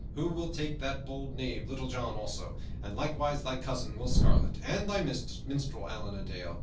We will take that bold knave Little John also, and likewise thy cousin, Will Scarlet, and thy minstrel, Allan a Dale.